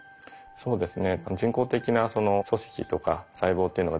そうですね。